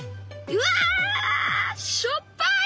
うわしょっぱい！